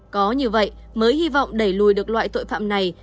có như vậy mới hy vọng đẩy lùi được loại tội phạm này